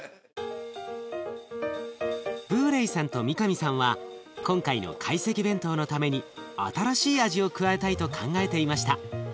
ブーレイさんと三上さんは今回の懐石弁当のために新しい味を加えたいと考えていました。